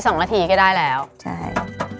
๒นาทีก็ได้แล้วอเรนนี่